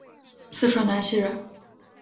四川南溪人。